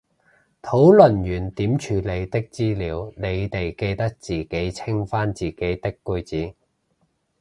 討論完點處理啲資料，你哋記得自己清返自己啲句子